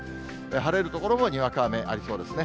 晴れる所もにわか雨、ありそうですね。